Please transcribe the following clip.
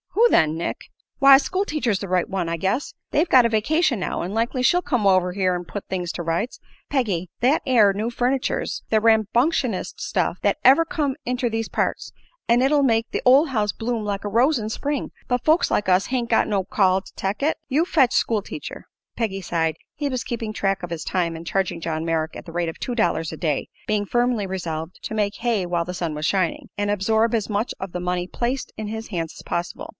"Who then, Nick?" "Why, school teacher's the right one, I guess. They've got a vacation now, an' likely she'll come over here an' put things to rights. Peggy, that air new furniture's the rambunctionest stuff thet ever come inter these parts, an' it'll make the ol' house bloom like a rose in Spring. But folks like us hain't got no call to tech it. You fetch school teacher." Peggy sighed. He was keeping track of his time and charging John Merrick at the rate of two dollars a day, being firmly resolved to "make hay while the sun was shining" and absorb as much of the money placed in his hands as possible.